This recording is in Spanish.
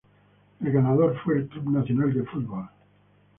El ganador fue el Club Nacional de Football.